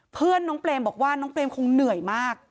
เพื่อนน้องเปรมบอกว่าน้องเปรมคงเหนื่อยมาก